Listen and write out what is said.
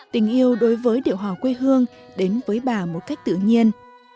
tình yêu đối với điệu hò quê hương đến với bà một cách tự nhiên